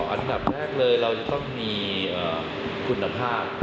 อันดับแรกเลยเราจะต้องมีคุณภาพ